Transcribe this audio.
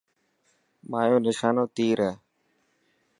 مايو نشان تير هي.